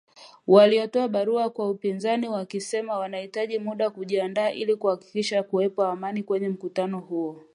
Walitoa barua kwa upinzani wakisema wanahitaji muda kujiandaa ili kuhakikisha kunakuwepo Amani kwenye mkutano huo.